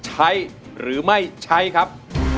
ใช้หรือไม่ใช้ครับ